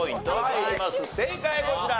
正解こちら。